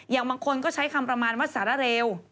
อย่างบางคนก็ใช้คำประมาณว่าสารเร็ว